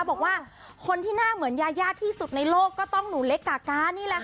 บอกว่าคนที่หน้าเหมือนยายาที่สุดในโลกก็ต้องหนูเล็กกาก้านี่แหละค่ะ